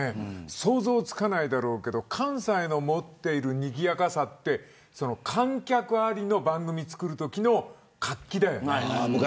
想像つかないだろうけど関西の持っているにぎやかさって観客ありの番組作るときの活気だよね。